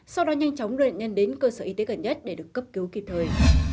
sau đó nhanh chóng đưa bệnh nhân đến cơ sở y tế gần nhất để được cấp cứu kịp thời